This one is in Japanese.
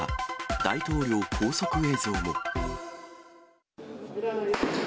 大統領拘束映像も。